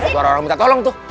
suara orang minta tolong tuh